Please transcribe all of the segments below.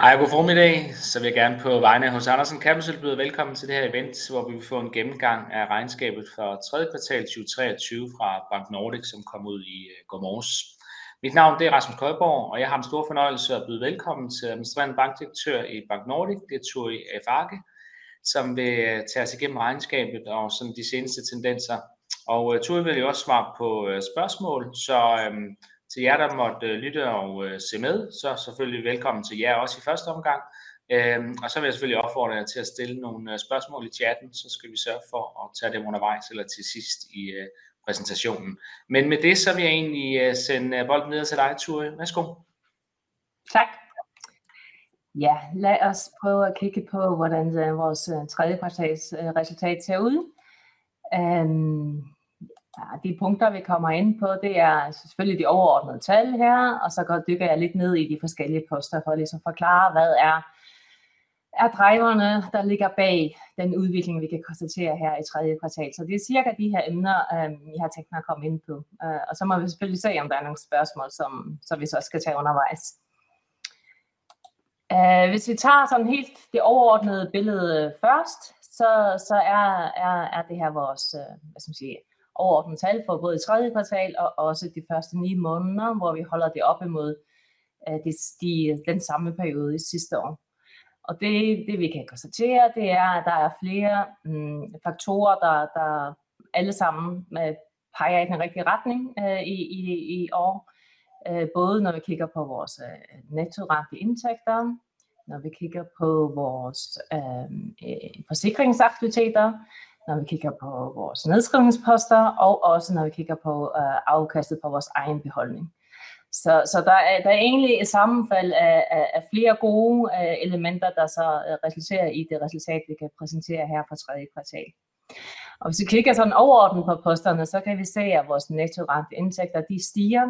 Hej og god formiddag. Så vil jeg gerne på vegne af H.C. Andersen Campus byde velkommen til det her event, hvor vi vil få en gennemgang af regnskabet for tredje kvartal 2023 fra Bank Nordic, som kom ud i går morges. Mit navn Rasmus Køjborg, og jeg har den store fornøjelse at byde velkommen til Administrerende Bankdirektør i Bank Nordic, Thuy A. Farke, som vil tage os igennem regnskabet og sådan de seneste tendenser. Thuy vil jo også svare på spørgsmål, så til jer der måtte lytte og se med, så selvfølgelig velkommen til jer også i første omgang. Så vil jeg selvfølgelig opfordre jer til at stille nogle spørgsmål i chatten, så skal vi sørge for at tage dem undervejs eller til sidst i præsentationen. Men med det, så vil jeg egentlig sende bolden videre til dig, Thuy. Værsgo. Tak. Ja, lad os prøve at kigge på, hvordan vores tredje kvartals resultat ser ud. De punkter, vi kommer ind på, det er selvfølgelig de overordnede tal her, og så dykker jeg lidt ned i de forskellige poster for ligesom at forklare, hvad driverne er, der ligger bag den udvikling, vi kan konstatere her i tredje kvartal. Så det er cirka de her emner, jeg har tænkt mig at komme ind på. Og så må vi selvfølgelig se, om der er nogle spørgsmål, som vi så skal tage undervejs. Hvis vi tager sådan helt det overordnede billede først, så er det her vores overordnede tal for både tredje kvartal og også de første ni måneder, hvor vi holder det op imod den samme periode i sidste år. Og det, vi kan konstatere, det er, at der er flere faktorer, der alle sammen peger i den rigtige retning i år. Både når vi kigger på vores nettorenteindtægter, når vi kigger på vores forsikringsaktiviteter, når vi kigger på vores nedskrivningsposter, og også når vi kigger på afkastet på vores egen beholdning. Der er egentlig et sammenfald af flere gode elementer, der resulterer i det resultat, vi kan præsentere her for tredje kvartal. Hvis vi kigger overordnet på posterne, så kan vi se, at vores nettorenteindtægter stiger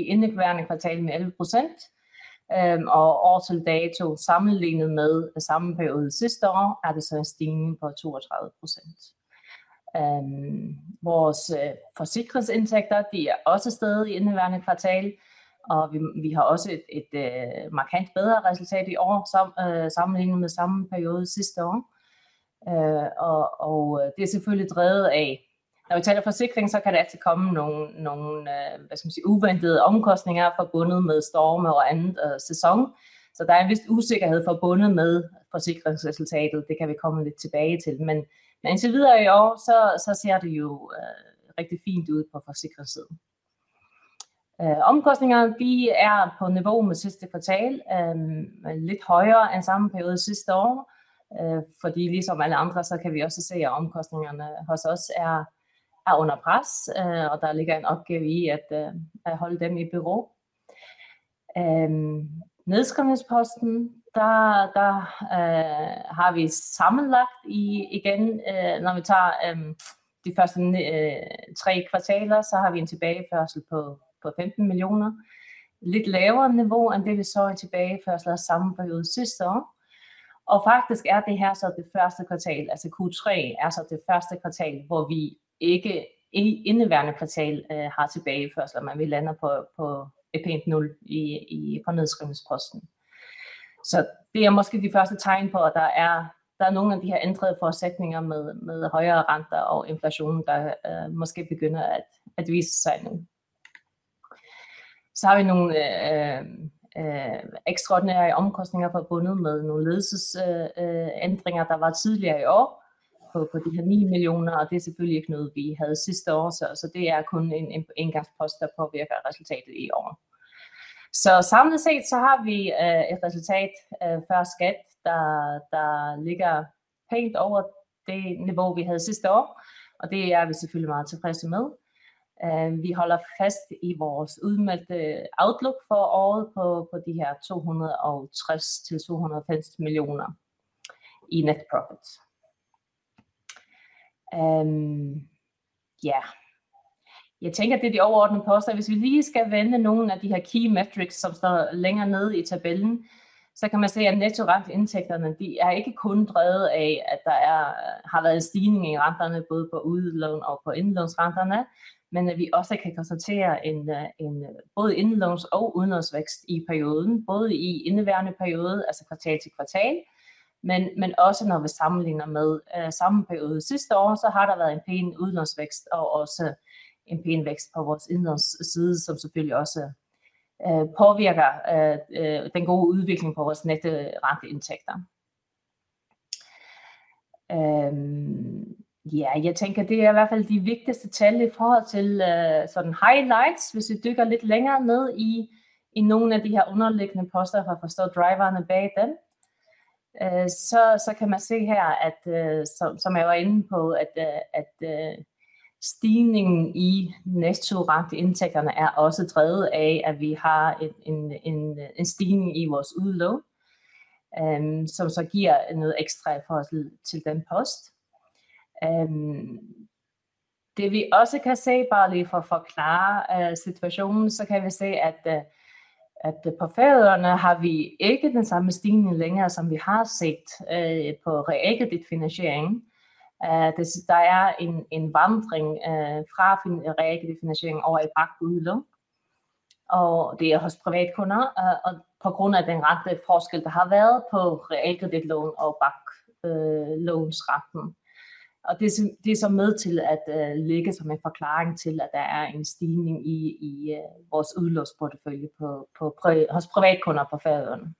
i indeværende kvartal med 11%, og år til dato, sammenlignet med samme periode sidste år, er der en stigning på 32%. Vores forsikringsindtægter er også steget i indeværende kvartal, og vi har også et markant bedre resultat i år, sammenlignet med samme periode sidste år. Det er selvfølgelig drevet af, når vi taler forsikring, så kan der altid komme nogle uventede omkostninger forbundet med storme og andet sæson, så der er en vis usikkerhed forbundet med forsikringsresultatet. Det kan vi komme lidt tilbage til, men indtil videre i år, så ser det jo rigtig fint ud på forsikringssiden. Omkostningerne, de på niveau med sidste kvartal, lidt højere end samme periode sidste år, fordi ligesom alle andre, så kan vi også se, at omkostningerne hos os under pres, og der ligger en opgave i at holde dem i bero. Nedskrivningsposten, der har vi sammenlagt igen, når vi tager de første tre kvartaler, så har vi en tilbageførsel på 15 millioner. Lidt lavere niveau end det, vi så i tilbageførsler af samme periode sidste år. Faktisk det her så det første kvartal, altså Q3, så det første kvartal, hvor vi ikke i indeværende kvartal har tilbageførsler, men vi lander på et pænt nul på nedskrivningsposten. Så det måske de første tegn på, at der er nogle af de her ændrede forudsætninger med højere renter og inflation, der måske begynder at vise sig nu. Vi har nogle ekstraordinære omkostninger forbundet med nogle ledelsesændringer, der var tidligere i år på de her DKK 9 millioner, og det er selvfølgelig ikke noget, vi havde sidste år, så det er kun en engangspost, der påvirker resultatet i år. Samlet set har vi et resultat før skat, der ligger pænt over det niveau, vi havde sidste år, og det er vi selvfølgelig meget tilfredse med. Vi holder fast i vores udmeldte outlook for året på de her DKK 260 til 290 millioner i net profit. Jeg tænker, at det er de overordnede poster. Hvis vi lige skal vende nogle af de her key metrics, som står længere nede i tabellen, så kan man se, at nettorenteindtægterne ikke kun er drevet af, at der har været en stigning i renterne både på udlån og på indlånsrenterne, men at vi også kan konstatere en både indlåns- og udlånsvækst i perioden, både i indeværende periode, altså kvartal til kvartal, men også når vi sammenligner med samme periode sidste år, så har der været en pæn udlånsvækst og også en pæn vækst på vores indlånsside, som selvfølgelig også påvirker den gode udvikling på vores nettorenteindtægter. Jeg tænker, at det i hvert fald er de vigtigste tal i forhold til highlights. Hvis vi dykker lidt længere ned i nogle af de her underliggende poster for at forstå driverne bag dem, så kan man se her, at som jeg var inde på, at stigningen i nettorenteindtægterne også er drevet af, at vi har en stigning i vores udlån, som så giver noget ekstra i forhold til den post. Det, vi også kan se, bare lige for at forklare situationen, så kan vi se, at på Færøerne har vi ikke den samme stigning længere, som vi har set på realkreditfinansiering. Der er en vandring fra realkreditfinansiering over i bankudlån, og det hos privatkunder, og på grund af den renteforskel, der har været på realkreditlån og banklånsrenten. Og det er så med til at ligge som en forklaring til, at der er en stigning i vores udlånsportefølje hos privatkunder på Færøerne.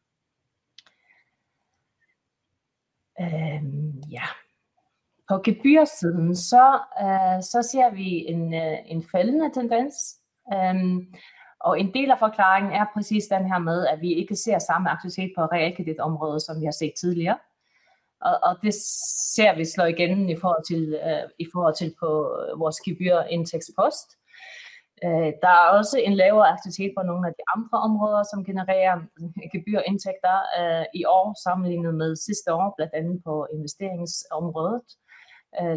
Ja, på gebyrssiden ser vi en faldende tendens, og en del af forklaringen er præcis den her med, at vi ikke ser samme aktivitet på realkreditområdet, som vi har set tidligere. Det ser vi slår igennem i forhold til vores gebyrindtægtspost. Der er også en lavere aktivitet på nogle af de andre områder, som genererer gebyrindtægter i år sammenlignet med sidste år, blandt andet på investeringsområdet.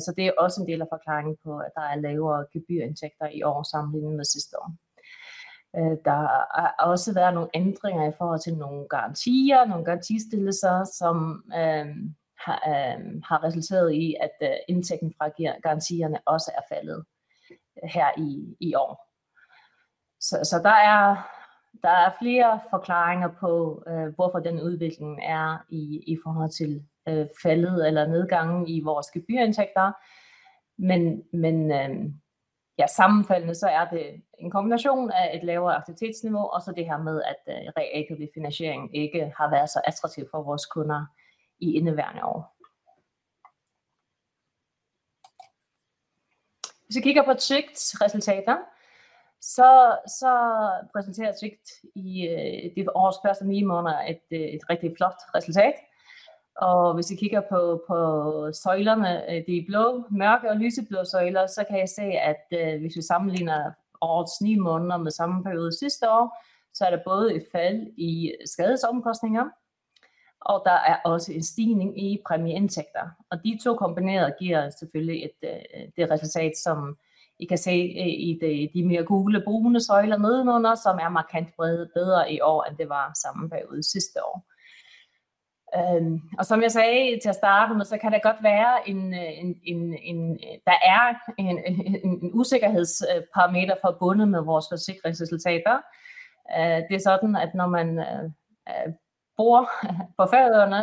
Så det er også en del af forklaringen på, at der er lavere gebyrindtægter i år sammenlignet med sidste år. Der har også været nogle ændringer i forhold til nogle garantier, nogle garantiestillelser, som har resulteret i, at indtægten fra garantierne også er faldet her i år. Så der er flere forklaringer på, hvorfor den udvikling i forhold til faldet eller nedgangen i vores gebyrindtægter. Men sammenfaldende, så det en kombination af et lavere aktivitetsniveau og så det her med, at realkreditfinansiering ikke har været så attraktiv for vores kunder i indeværende år. Hvis vi kigger på TWICT's resultater, så præsenterer TWICT i årets første ni måneder et rigtig flot resultat. Hvis vi kigger på søjlerne, de blå, mørke og lyseblå søjler, så kan I se, at hvis vi sammenligner årets ni måneder med samme periode sidste år, så er der både et fald i skadesomkostninger, og der er også en stigning i præmieindtægter, og de to kombineret giver selvfølgelig det resultat, som I kan se i de mere gule/brune søjler nedenunder, som er markant bedre i år, end det var samme periode sidste år. Som jeg sagde til at starte med, så kan der godt være en, der er en usikkerhedsparameter forbundet med vores forsikringsresultater. Det er sådan, at når man bor på Færøerne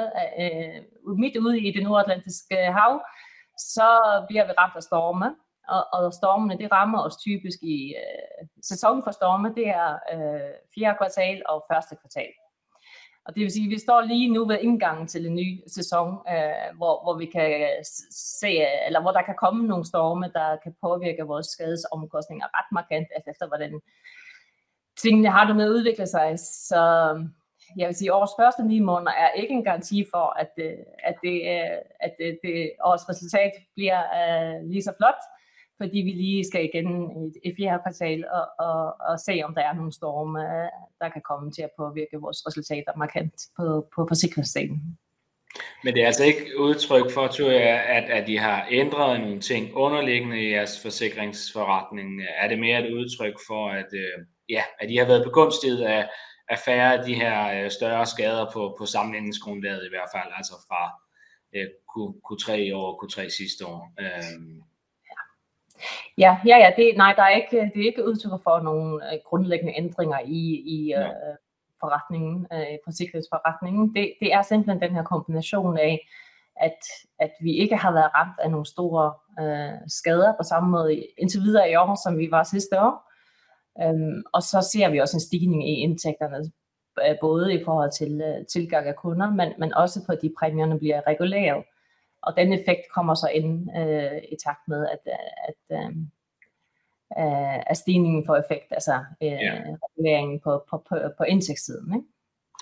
midt ude i Det Nordatlantiske Hav, så bliver vi ramt af storme, og stormene rammer os typisk i sæsonen for storme. Det fjerde kvartal og første kvartal. Og det vil sige, at vi står lige nu ved indgangen til den nye sæson, hvor vi kan se, eller hvor der kan komme nogle storme, der kan påvirke vores skadesomkostninger ret markant, alt efter hvordan tingene har det med at udvikle sig. Så jeg vil sige, at årets første ni måneder ikke er en garanti for, at årets resultat bliver lige så flot, fordi vi lige skal igen i fjerde kvartal og se, om der er nogle storme, der kan komme til at påvirke vores resultater markant på forsikringssiden. Men det er altså ikke udtryk for, Thuy, at I har ændret nogle ting underliggende i jeres forsikringsforretning. Det er mere et udtryk for, at ja, at I har været begunstiget af færre af de her større skader på sammenligningsgrundlaget i hvert fald, altså fra Q3 i år og Q3 sidste år? Ja, ja, ja. Nej, der er ikke udtryk for nogle grundlæggende ændringer i forsikringsforretningen. Det er simpelthen den her kombination af, at vi ikke har været ramt af nogle store skader på samme måde indtil videre i år, som vi var sidste år. Og så ser vi også en stigning i indtægterne, både i forhold til tilgang af kunder, men også på de præmier, der bliver reguleret. Og den effekt kommer så ind i takt med, at stigningen får effekt, altså reguleringen på indtægtssiden.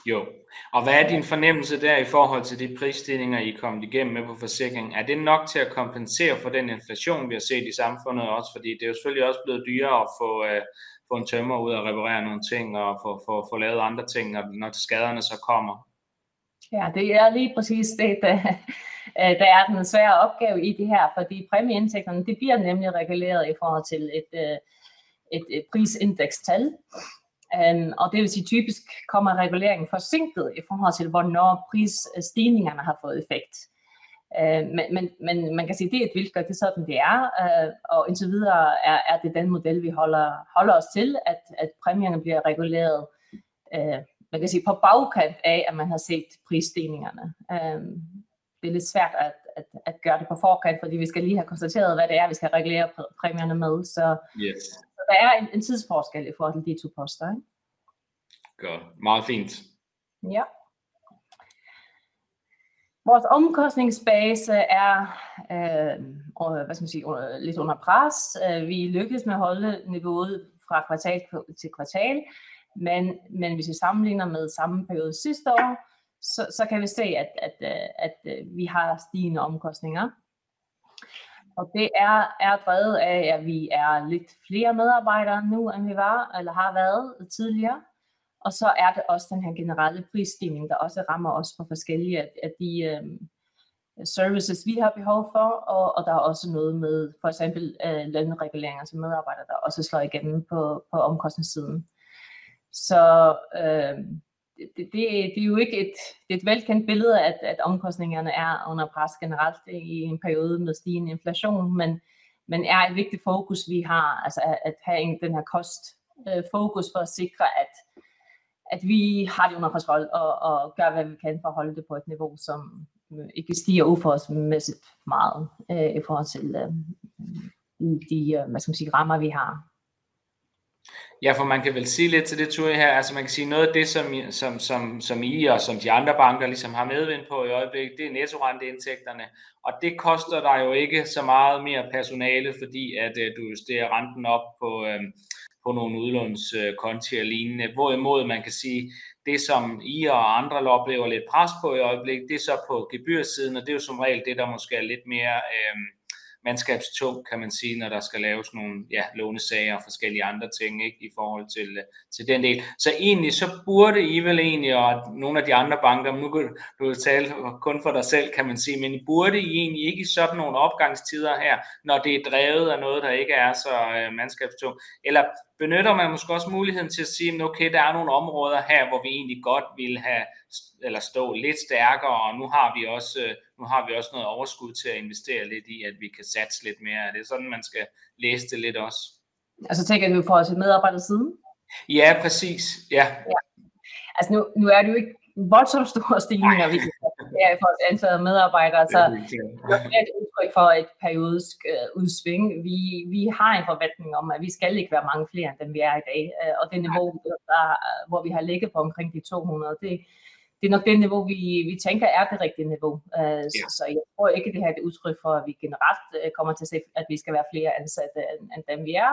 Jo. Og hvad er din fornemmelse der i forhold til de prisstigninger, I er kommet igennem med på forsikringen? Er det nok til at kompensere for den inflation, vi har set i samfundet? Også fordi det jo selvfølgelig også er blevet dyrere at få en tømrer ud og reparere nogle ting og få lavet andre ting, når skaderne så kommer. Ja, det er lige præcis det, der er den svære opgave i det her, fordi præmieindtægterne, de bliver nemlig reguleret i forhold til et prisindekstal. Og det vil sige, typisk kommer reguleringen forsinket i forhold til, hvornår prisstigningerne har fået effekt. Men man kan sige, at det er et vilkår, det er sådan, det er, og indtil videre er det den model, vi holder os til, at præmierne bliver reguleret, man kan sige, på bagkant af, at man har set prisstigningerne. Det er lidt svært at gøre det på forkant, fordi vi skal lige have konstateret, hvad det er, vi skal regulere præmierne med. Så der er en tidsforskel i forhold til de to poster. Godt. Meget fint. Ja. Vores omkostningsbase er lidt under pres. Vi lykkedes med at holde niveauet fra kvartal til kvartal, men hvis vi sammenligner med samme periode sidste år, så kan vi se, at vi har stigende omkostninger. Og det er drevet af, at vi har lidt flere medarbejdere nu, end vi havde tidligere. Og så er det også den her generelle prisstigning, der også rammer os på forskellige af de services, vi har behov for, og der er også noget med for eksempel lønreguleringer til medarbejdere, der også slår igennem på omkostningssiden. Så det er jo ikke et velkendt billede, at omkostningerne er under pres generelt i en periode med stigende inflation, men det er et vigtigt fokus, vi har, altså at have det her cost fokus for at sikre, at vi har det under kontrol og gør, hvad vi kan for at holde det på et niveau, som ikke stiger uforholdsmæssigt meget i forhold til de rammer, vi har. Ja, for man kan vel sige lidt til det, Thuy, her, altså man kan sige, at noget af det, som I og som de andre banker ligesom har medvind på i øjeblikket, det er nettorenteindtægterne, og det koster dig jo ikke så meget mere personale, fordi at du justerer renten op på nogle udlånskonti og lignende, hvorimod man kan sige, at det, som I og andre oplever lidt pres på i øjeblikket, det er så på gebyrssiden, og det er jo som regel det, der måske er lidt mere mandskabstungt, kan man sige, når der skal laves nogle lånesager og forskellige andre ting i forhold til den del. Så egentlig så burde I vel egentlig, og nogle af de andre banker, nu taler du jo kun for dig selv, kan man sige, men burde I egentlig ikke i sådan nogle opgangstider her, når det drevet af noget, der ikke så mandskabstungt, eller benytter man måske også muligheden til at sige, at der nogle områder her, hvor vi egentlig godt ville have eller stå lidt stærkere, og nu har vi også noget overskud til at investere lidt i, at vi kan satse lidt mere. Er det sådan, man skal læse det lidt også? Altså tænker du fra medarbejdersiden? Ja, præcis. Ja. Altså nu er det jo ikke voldsomt store stigninger, vi kan få i forhold til antallet af medarbejdere. Så det er jo ikke et udtryk for et periodisk udsving. Vi har en forventning om, at vi skal ikke være mange flere, end dem vi er i dag, og det niveau, hvor vi har ligget på omkring de 200, det er nok det niveau, vi tænker er det rigtige niveau. Så jeg tror ikke, at det her er et udtryk for, at vi generelt kommer til at se, at vi skal være flere ansatte, end dem vi er,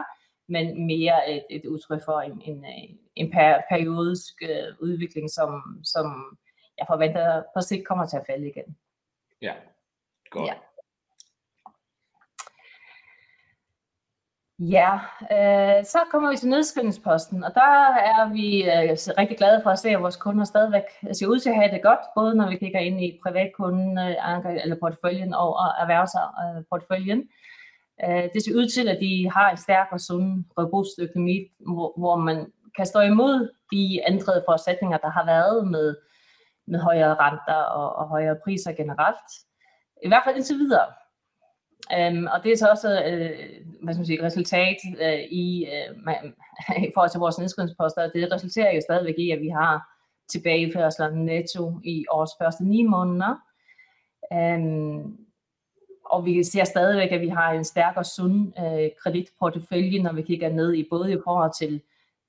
men mere et udtryk for en periodisk udvikling, som jeg forventer, på sigt kommer til at falde igen. Ja. Godt. Ja. Så kommer vi til nedskrivningsposten, og der er vi rigtig glade for at se, at vores kunder stadigvæk ser ud til at have det godt, både når vi kigger ind i privatkundeporteføljen og erhvervsporteføljen. Det ser ud til, at de har en stærk og sund, robust økonomi, hvor man kan stå imod de ændrede forudsætninger, der har været med højere renter og højere priser generelt, i hvert fald indtil videre. Det så vi også som et resultat i forhold til vores nedskrivningsposter, og det resulterer jo stadigvæk i, at vi har tilbageførsler netto i årets første ni måneder. Vi ser stadigvæk, at vi har en stærk og sund kreditportefølje, når vi kigger ned i både i forhold til,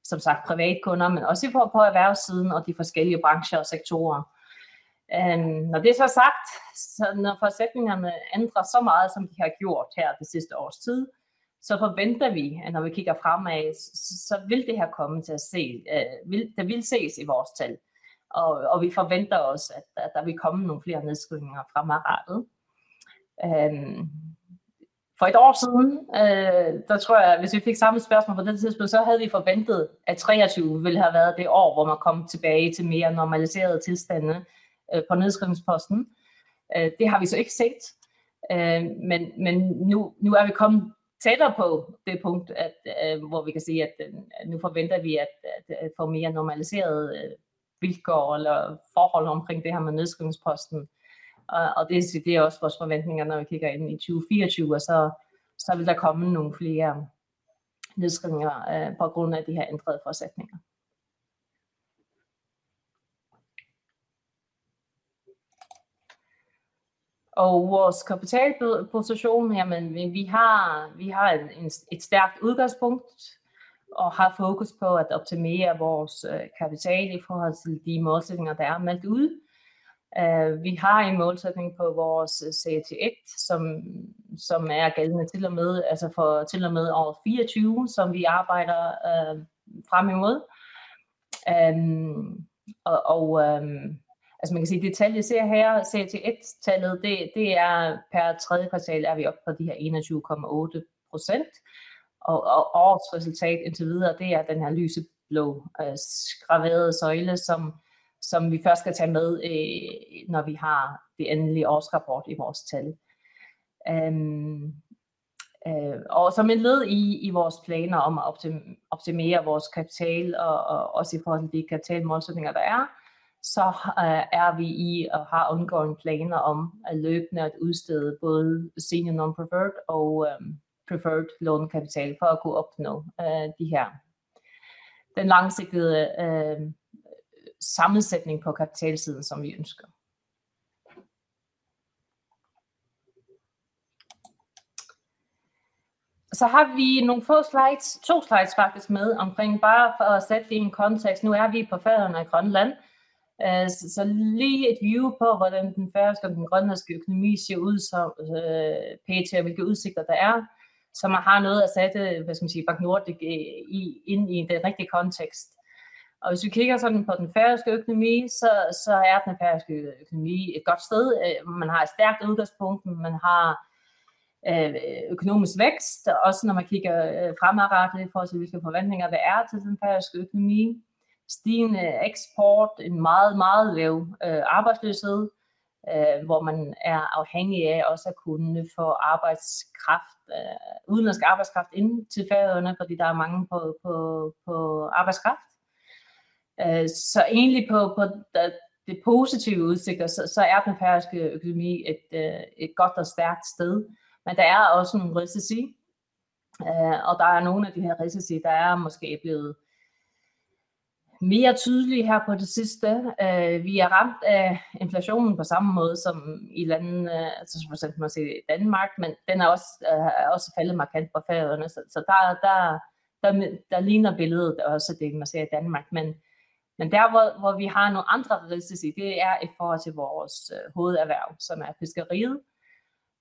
som sagt, privatkunder, men også i forhold til erhvervssiden og de forskellige brancher og sektorer. Når det så sagt, så når forudsætningerne ændrer så meget, som de har gjort her det sidste års tid, så forventer vi, at når vi kigger fremad, så vil det her komme til at se, det vil ses i vores tal, og vi forventer også, at der vil komme nogle flere nedskrivninger fremadrettet. For et år siden, der tror jeg, at hvis vi fik samme spørgsmål på det tidspunkt, så havde vi forventet, at 2023 ville have været det år, hvor man kom tilbage til mere normaliserede tilstande på nedskrivningsposten. Det har vi så ikke set, men nu er vi kommet tættere på det punkt, hvor vi kan sige, at nu forventer vi at få mere normaliserede vilkår eller forhold omkring det her med nedskrivningsposten. Og det vil sige, det også vores forventninger, når vi kigger ind i 2024, og så vil der komme nogle flere nedskrivninger på grund af de her ændrede forudsætninger. Og vores kapitalposition, jamen vi har et stærkt udgangspunkt og har fokus på at optimere vores kapital i forhold til de målsætninger, der er meldt ud. Vi har en målsætning på vores CET1, som gælder til og med, altså for til og med året 2024, som vi arbejder frem imod. Og man kan sige, detaljer ser her, CET1-tallet, det per tredje kvartal, vi er oppe på de her 21,8%, og årets resultat indtil videre, det er den her lyseblå skraverede søjle, som vi først skal tage med, når vi har den endelige årsrapport i vores tal. Og som et led i vores planer om at optimere vores kapital og også i forhold til de kapitalmålsætninger, der så vi i og har ongoing planer om løbende at udstede både senior non-preferred og preferred lånekapital for at kunne opnå den langsigtede sammensætning på kapitalsiden, som vi ønsker. Så har vi nogle få slides, to slides faktisk med, omkring bare for at sætte det i en kontekst. Nu vi på Færøerne i Grønland, så lige et view på, hvordan den færøske og den grønlandske økonomi ser ud pt., og hvilke udsigter der så man har noget at sætte BankNord ind i den rigtige kontekst. Hvis vi kigger på den færøske økonomi, så den færøske økonomi et godt sted. Man har et stærkt udgangspunkt, man har økonomisk vækst, også når man kigger fremadrettet i forhold til, hvilke forventninger der til den færøske økonomi. Stigende eksport, en meget, meget lav arbejdsløshed, hvor man er afhængig af også at kunne få udenlandsk arbejdskraft ind til Færøerne, fordi der mangler arbejdskraft. Så egentlig på de positive udsigter, så er den færøske økonomi et godt og stærkt sted, men der er også nogle risici, og der er nogle af de her risici, der måske er blevet mere tydelige her på det sidste. Vi er ramt af inflationen på samme måde som i andre lande, altså for eksempel kan man sige i Danmark, men den er også faldet markant på Færøerne, så der ligner billedet også det, man ser i Danmark. Men der, hvor vi har nogle andre risici, det i forhold til vores hovederhverv, som fiskeriet,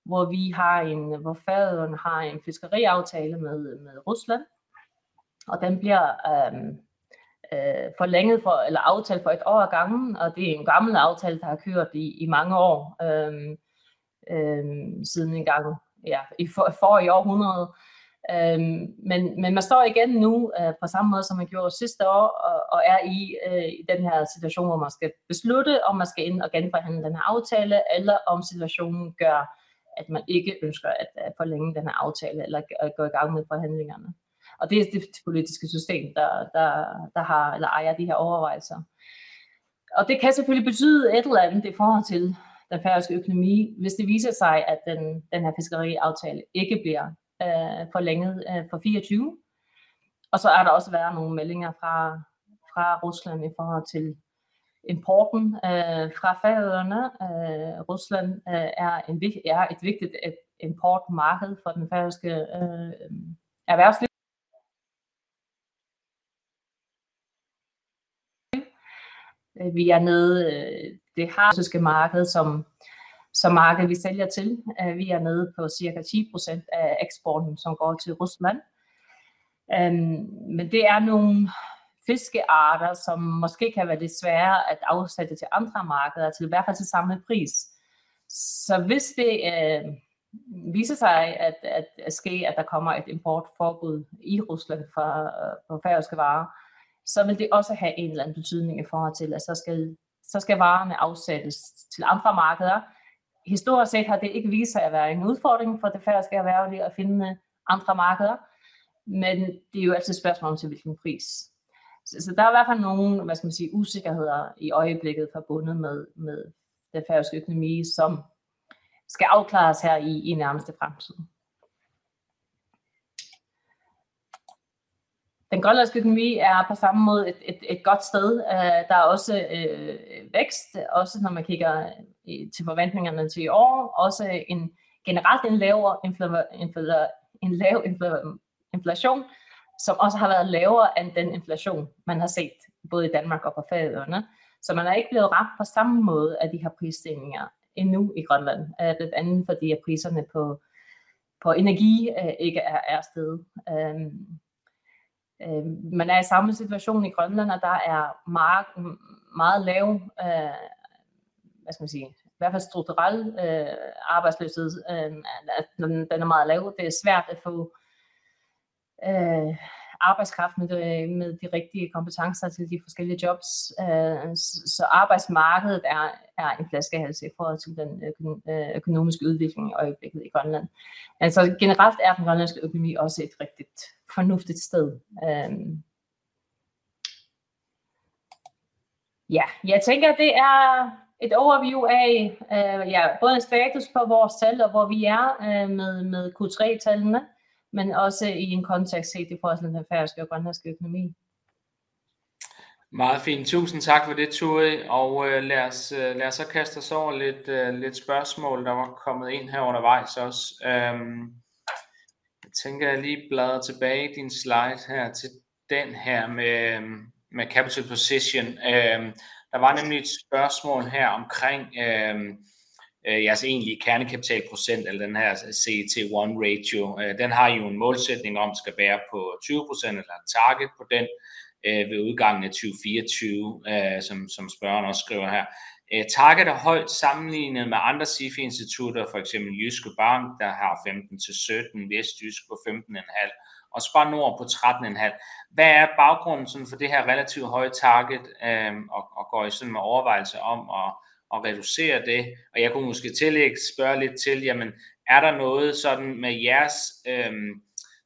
hvor vi har en, hvor Færøerne har en fiskeriaftale med Rusland, og den bliver forlænget for eller aftalt for et år ad gangen, og det en gammel aftale, der har kørt i mange år siden engang i forrige århundrede. Men man står igen nu på samme måde, som man gjorde sidste år, og i den her situation, hvor man skal beslutte, om man skal ind og genforhandle den her aftale, eller om situationen gør, at man ikke ønsker at forlænge den her aftale eller gå i gang med forhandlingerne. Og det det politiske system, der har eller ejer de her overvejelser. Og det kan selvfølgelig betyde et eller andet i forhold til den færøske økonomi, hvis det viser sig, at den her fiskeriaftale ikke bliver forlænget for 2024. Og så der også været nogle meldinger fra Rusland i forhold til importen fra Færøerne. Rusland et vigtigt importmarked for den færøske erhvervsliv. Vi nede, det russiske marked som marked, vi sælger til. Vi nede på cirka 10% af eksporten, som går til Rusland. Men det nogle fiskearter, som måske kan være lidt sværere at afsætte til andre markeder, til i hvert fald til samme pris. Så hvis det viser sig at ske, at der kommer et importforbud i Rusland for færøske varer, så vil det også have en eller anden betydning i forhold til, at så skal varerne afsættes til andre markeder. Historisk set har det ikke vist sig at være en udfordring for det færøske erhverv i det at finde andre markeder, men det jo altid et spørgsmål om, til hvilken pris. Så der er i hvert fald nogle usikkerheder i øjeblikket forbundet med den færøske økonomi, som skal afklares her i nærmeste fremtid. Den grønlandske økonomi er på samme måde et godt sted. Der er også vækst, også når man kigger til forventningerne til i år, også en generelt lav inflation, som også har været lavere end den inflation, man har set både i Danmark og på Færøerne. Så man er ikke blevet ramt på samme måde af de her prisstigninger endnu i Grønland, blandt andet fordi at priserne på energi ikke er steget. Man er i samme situation i Grønland, og der er meget lav, hvad skal man sige, i hvert fald strukturel arbejdsløshed, den er meget lav. Det er svært at få arbejdskraft med de rigtige kompetencer til de forskellige jobs, så arbejdsmarkedet er en flaskehals i forhold til den økonomiske udvikling i øjeblikket i Grønland. Men så generelt er den grønlandske økonomi også et rigtigt fornuftigt sted. Ja, jeg tænker, at det er et overview af, ja, både en status på vores tal og hvor vi er med Q3-tallene, men også i en kontekst set i forhold til den færøske og grønlandske økonomi. Meget fint. Tusind tak for det, Thuy, og lad os så kaste os over lidt spørgsmål, der var kommet ind her undervejs også. Jeg tænker, at jeg lige bladrer tilbage i din slide her til den her med capital position. Der var nemlig et spørgsmål her omkring jeres egentlige kernekapitalprocent eller den her CET1-ratio. Den har I jo en målsætning om skal være på 20% eller et target på den ved udgangen af 2024, som spørgeren også skriver her. Target højt sammenlignet med andre SIFI-institutter, for eksempel Jyske Bank, der har 15% til 17%, Vestjysk på 15,5% og Spar Nord på 13,5%. Hvad baggrunden sådan for det her relativt høje target og går I sådan med overvejelser om at reducere det? Og jeg kunne måske tillade mig at spørge lidt til, jamen der er noget sådan med jeres,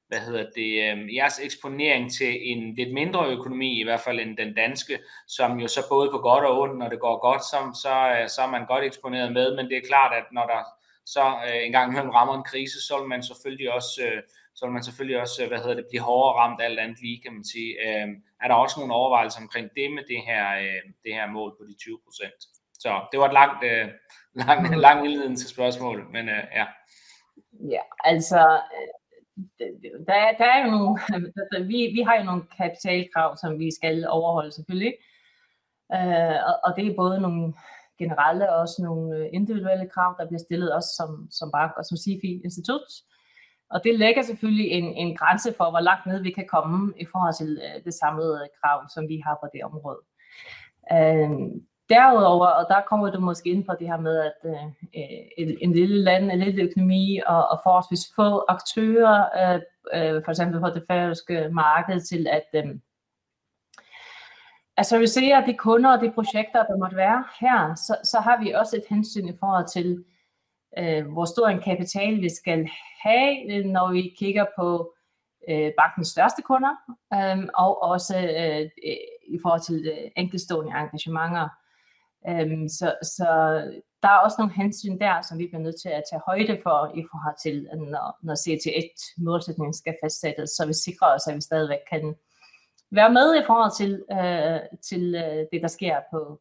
hvad hedder det, jeres eksponering til en lidt mindre økonomi, i hvert fald end den danske, som jo så både på godt og ondt, når det går godt, så er man godt eksponeret med. Men det er klart, at når der så engang imellem rammer en krise, så vil man selvfølgelig også blive hårdere ramt af alt andet lige, kan man sige. Er der også nogle overvejelser omkring det med det her mål på de 20%? Så det var et langt indledende spørgsmål, men ja. Ja, altså der jo nu, altså vi har jo nogle kapitalkrav, som vi skal overholde selvfølgelig, og det både nogle generelle og også nogle individuelle krav, der bliver stillet også som bank og som SIFI-institut. Og det lægger selvfølgelig en grænse for, hvor langt nede vi kan komme i forhold til det samlede krav, som vi har på det område. Derudover, og der kommer du måske ind på det her med, at et lille land, en lille økonomi og forholdsvis få aktører, for eksempel på det færøske marked, til at servicere de kunder og de projekter, der måtte være her, så har vi også et hensyn i forhold til, hvor stor en kapital vi skal have, når vi kigger på bankens største kunder og også i forhold til enkeltstående engagementer. Så der også nogle hensyn der, som vi bliver nødt til at tage højde for i forhold til, når CAT1-målsætningen skal fastsættes, så vi sikrer os, at vi stadigvæk kan være med i forhold til det, der sker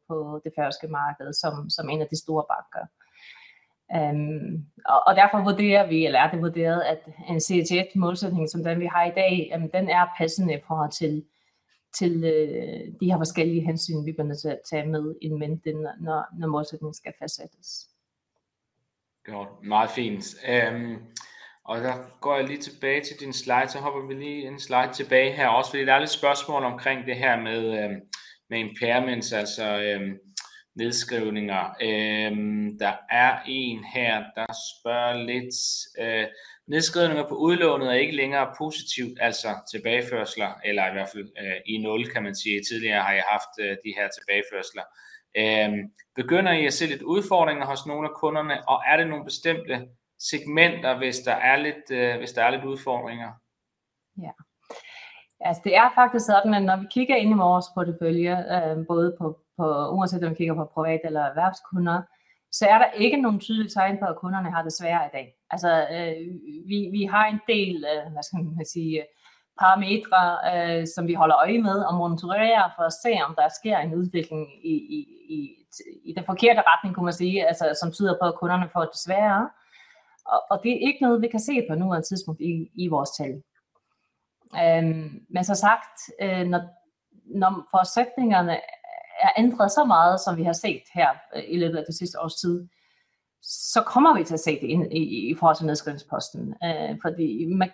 på det færøske marked som en af de store banker. Derfor vurderer vi, eller det vurderet, at en CAT1-målsætning, som den vi har i dag, den passende i forhold til de her forskellige hensyn, vi bliver nødt til at tage med in mente, når målsætningen skal fastsættes. Godt, meget fint. Og så går jeg lige tilbage til din slide, så hopper vi lige en slide tilbage her også, fordi der er lidt spørgsmål omkring det her med impairments, altså nedskrivninger. Der er en her, der spørger lidt. Nedskrivninger på udlånet ikke længere positivt, altså tilbageførsler, eller i hvert fald i nul, kan man sige. Tidligere har I haft de her tilbageførsler. Begynder I at se lidt udfordringer hos nogle af kunderne, og er det nogle bestemte segmenter, hvis der er lidt udfordringer? Ja, altså det er faktisk sådan, at når vi kigger ind i vores porteføljer, både på, uanset om vi kigger på privat eller erhvervskunder, så er der ikke nogen tydelige tegn på, at kunderne har det sværere i dag. Altså vi har en del, hvad skal man sige, parametre, som vi holder øje med og monitorerer for at se, om der sker en udvikling i den forkerte retning, kunne man sige, altså som tyder på, at kunderne får det sværere. Og det er ikke noget, vi kan se på nuværende tidspunkt i vores tal. Men som sagt, når forudsætningerne ændrer så meget, som vi har set her i løbet af det sidste års tid, så kommer vi til at se det ind i forhold til nedskrivningsposten, fordi man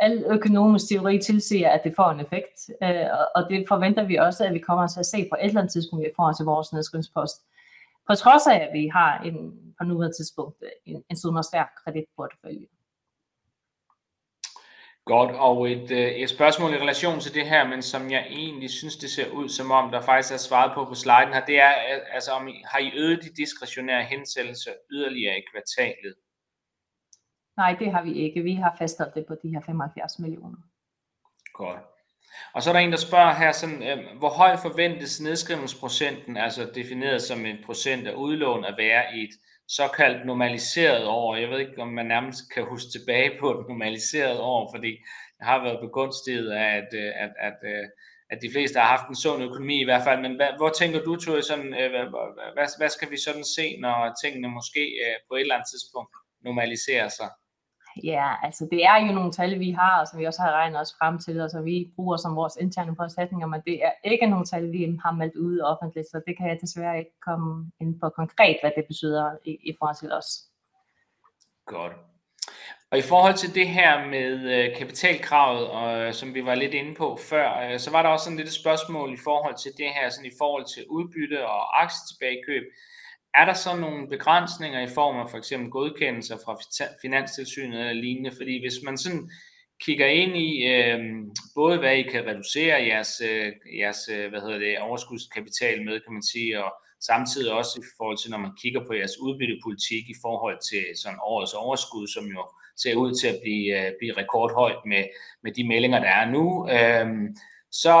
al økonomisk teori tilsiger, at det får en effekt, og det forventer vi også, at vi kommer til at se på et eller andet tidspunkt i forhold til vores nedskrivningspost, på trods af at vi har en på nuværende tidspunkt en stærk kreditportefølje. Godt, og et spørgsmål i relation til det her, men som jeg egentlig synes det ser ud som om der faktisk er svaret på på sliden her, det er altså om I har øget de diskretionære hensættelser yderligere i kvartalet? Nej, det har vi ikke. Vi har fastholdt det på de her 75 millioner. Godt. Og så er der en, der spørger her, sådan hvor høj forventes nedskrivningsprocenten, altså defineret som en procent af udlån, at være i et såkaldt normaliseret år? Jeg ved ikke, om man nærmest kan huske tilbage på et normaliseret år, fordi jeg har været begunstiget af, at de fleste har haft en sund økonomi i hvert fald. Men hvor tænker du, Thuy, sådan hvad skal vi sådan se, når tingene måske på et eller andet tidspunkt normaliserer sig? Ja, altså det er jo nogle tal, vi har, og som vi også har regnet os frem til, og som vi bruger som vores interne forudsætninger, men det er ikke nogle tal, vi har meldt ud offentligt, så det kan jeg desværre ikke komme ind på konkret, hvad det betyder i forhold til os. Godt. Og i forhold til det her med kapitalkravet, og som vi var lidt inde på før, så var der også sådan et lille spørgsmål i forhold til det her, sådan i forhold til udbytte og aktietilbagekøb. Er der sådan nogle begrænsninger i form af for eksempel godkendelser fra Finanstilsynet eller lignende? Fordi hvis man sådan kigger ind i både, hvad I kan reducere jeres overskudskapital med, kan man sige, og samtidig også i forhold til, når man kigger på jeres udbyttepolitik i forhold til sådan årets overskud, som jo ser ud til at blive rekordhøjt med de meldinger, der nu kommer, så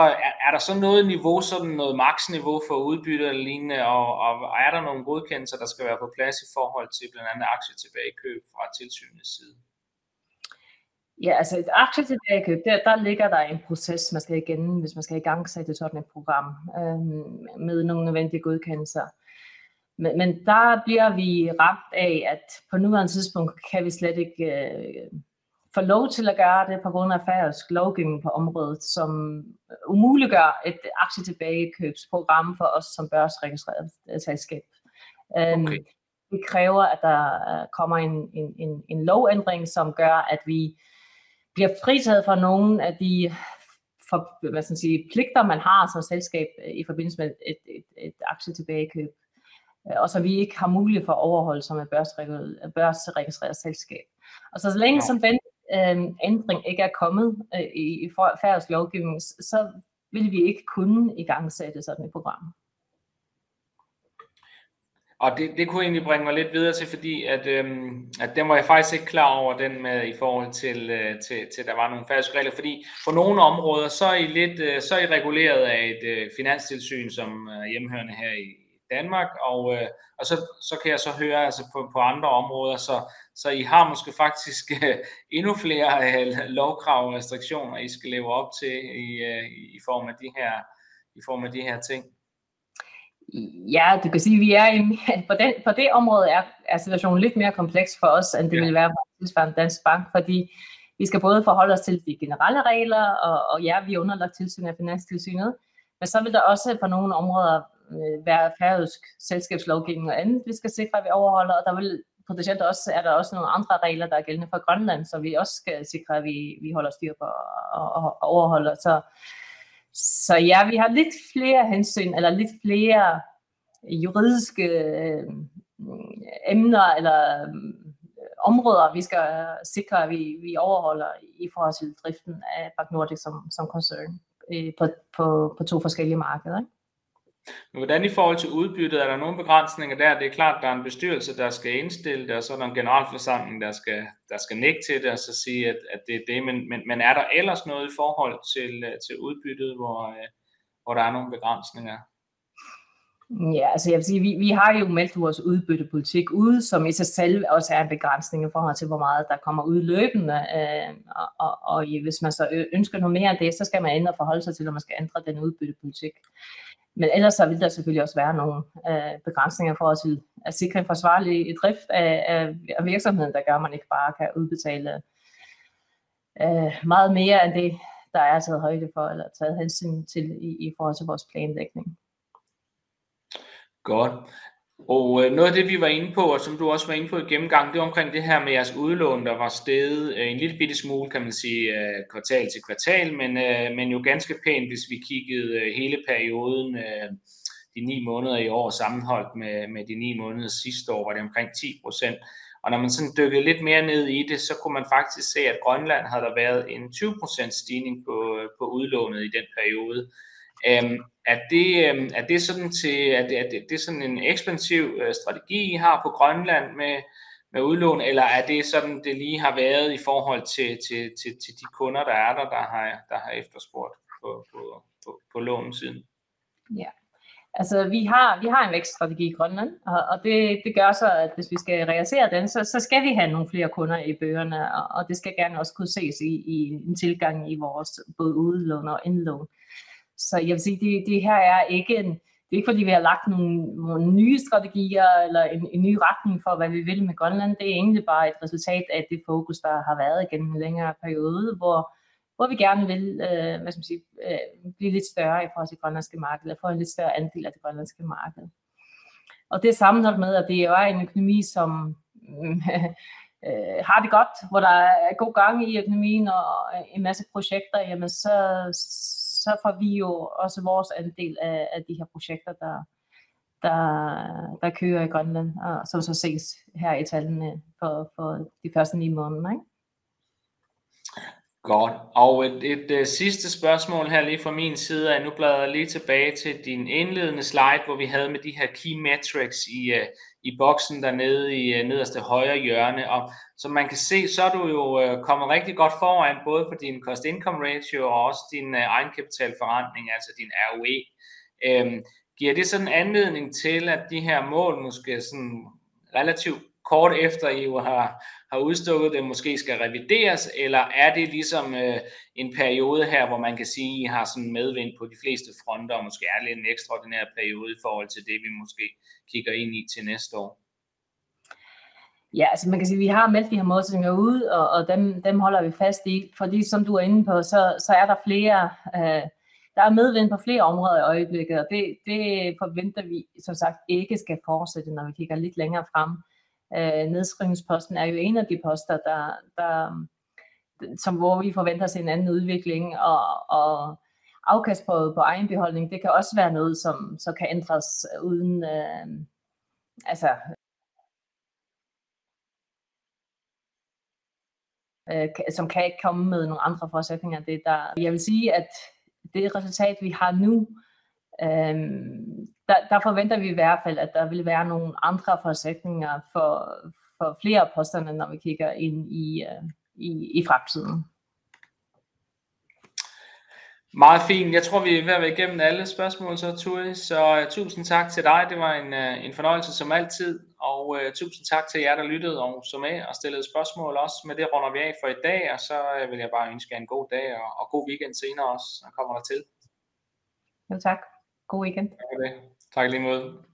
er der sådan noget niveau, sådan noget maksniveau for udbytte eller lignende, og er der nogle godkendelser, der skal være på plads i forhold til blandt andet aktietilbagekøb fra tilsynets side? Ja, altså et aktietilbagekøb, der ligger der en proces, man skal igennem, hvis man skal igangsætte sådan et program med nogle nødvendige godkendelser. Men der bliver vi ramt af, at på nuværende tidspunkt kan vi slet ikke få lov til at gøre det på grund af færøsk lovgivning på området, som umuliggør et aktietilbagekøbsprogram for os som børsregistreret selskab. Det kræver, at der kommer en lovændring, som gør, at vi bliver fritaget for nogle af de, hvad skal man sige, pligter, man har som selskab i forbindelse med et aktietilbagekøb, og som vi ikke har mulighed for at overholde som et børsregistreret selskab. Og så længe sådan den ændring ikke kommet i færøsk lovgivning, så vil vi ikke kunne igangsætte sådan et program. Og det kunne jeg egentlig bringe mig lidt videre til, fordi den var jeg faktisk ikke klar over, den med i forhold til at der var nogle færøske regler, fordi på nogle områder så I lidt så I reguleret af et Finanstilsyn som hjemhørende her i Danmark, og så kan jeg så høre, altså på andre områder så I har måske faktisk endnu flere lovkrav og restriktioner I skal leve op til i form af de her ting? Ja, du kan sige, vi har på det område situationen lidt mere kompleks for os, end det ville være på et tidspunkt for Dansk Bank, fordi vi skal både forholde os til de generelle regler, og ja, vi er underlagt tilsyn af Finanstilsynet, men så vil der også på nogle områder være færøsk selskabslovgivning og andet, vi skal sikre, at vi overholder, og der vil potentielt også være nogle andre regler, der er gældende for Grønland, som vi også skal sikre, at vi holder styr på og overholder. Så ja, vi har lidt flere hensyn eller lidt flere juridiske emner eller områder, vi skal sikre, at vi overholder i forhold til driften af BankNordic som koncern på to forskellige markeder. Men hvordan i forhold til udbyttet, er der nogle begrænsninger der? Det er klart, der er en bestyrelse, der skal indstille det, og så er der en generalforsamling, der skal godkende det og så sige, at det er det. Men er der ellers noget i forhold til udbyttet, hvor der er nogle begrænsninger? Ja, altså jeg vil sige, vi har jo meldt vores udbyttepolitik ud, som i sig selv også er en begrænsning i forhold til, hvor meget der kommer ud løbende, og hvis man så ønsker noget mere end det, så skal man ind og forholde sig til, om man skal ændre den udbyttepolitik. Men ellers vil der selvfølgelig også være nogle begrænsninger i forhold til at sikre en forsvarlig drift af virksomheden, der gør, at man ikke bare kan udbetale meget mere end det, der er taget højde for eller taget hensyn til i forhold til vores planlægning. Godt. Og noget af det, vi var inde på, og som du også var inde på i gennemgangen, det var omkring det her med jeres udlån, der var steget en lille bitte smule, kan man sige, kvartal til kvartal, men jo ganske pænt, hvis vi kiggede hele perioden, de ni måneder i år sammenholdt med de ni måneder sidste år, var det omkring 10%. Og når man sådan dykkede lidt mere ned i det, så kunne man faktisk se, at Grønland havde der været en 20% stigning på udlånet i den periode. Er det sådan til, at det er sådan en ekspansiv strategi, I har på Grønland med udlån, eller er det sådan, det lige har været i forhold til de kunder, der har efterspurgt lånet siden? Ja, altså vi har en vækststrategi i Grønland, og det gør så, at hvis vi skal realisere den, så skal vi have nogle flere kunder i bøgerne, og det skal gerne også kunne ses i en stigning i vores både udlån og indlån. Så jeg vil sige, det her er ikke, det er ikke fordi vi har lagt nogle nye strategier eller en ny retning for, hvad vi vil med Grønland. Det er egentlig bare et resultat af det fokus, der har været igennem en længere periode, hvor vi gerne vil blive lidt større i forhold til det grønlandske marked og få en lidt større andel af det grønlandske marked. Og det sammenholdt med, at det jo er en økonomi, som har det godt, hvor der er god gang i økonomien og en masse projekter, jamen så får vi jo også vores andel af de her projekter, der kører i Grønland, og som så ses her i tallene for de første ni måneder. Godt. Og et sidste spørgsmål her lige fra min side, og nu bladrer jeg lige tilbage til din indledende slide, hvor vi havde med de her key metrics i boksen dernede i nederste højre hjørne. Og som man kan se, så er du jo kommet rigtig godt foran, både på din cost income ratio og også din egenkapitalforrentning, altså din ROE. Giver det sådan anledning til, at de her mål måske sådan relativt kort efter, I jo har udstukket dem, måske skal revideres, eller er det ligesom en periode her, hvor man kan sige, I har sådan medvind på de fleste fronter, og måske er det en ekstraordinær periode i forhold til det, vi måske kigger ind i til næste år? Ja, altså man kan sige, vi har meldt de her målsætninger ud, og dem holder vi fast i, fordi som du er inde på, så er der flere, der har medvind på flere områder i øjeblikket, og det forventer vi som sagt ikke skal fortsætte, når vi kigger lidt længere frem. Nedskrivningsposten er jo en af de poster, hvor vi forventer at se en anden udvikling, og afkast på egenbeholdning, det kan også være noget, som kan ændres uden, altså som kan komme med nogle andre forudsætninger. Jeg vil sige, at det resultat, vi har nu, der forventer vi i hvert fald, at der vil være nogle andre forudsætninger for flere af posterne, når vi kigger ind i fremtiden. Meget fint. Jeg tror, vi ved at være igennem alle spørgsmål så, Thuy. Så tusind tak til dig. Det var en fornøjelse som altid, og tusind tak til jer, der lyttede og så med og stillede spørgsmål også. Med det runder vi af for i dag, og så vil jeg bare ønske jer en god dag og god weekend senere også, når I kommer dertil. Jo tak. God weekend. Tak for det. Tak i lige måde.